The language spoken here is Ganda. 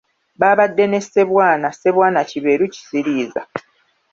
Baabadde ne Ssebwana Ssebwana Kiberu Kisiriiza.